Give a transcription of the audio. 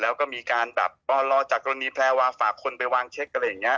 แล้วก็มีการแบบรอจากกรณีแพรวาฝากคนไปวางเช็คอะไรอย่างนี้